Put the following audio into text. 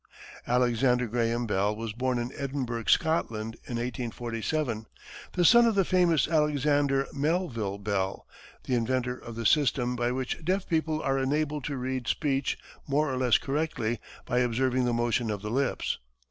Alexander Graham Bell was born in Edinburgh, Scotland, in 1847, the son of the famous Alexander Melville Bell, the inventor of the system by which deaf people are enabled to read speech more or less correctly by observing the motion of the lips.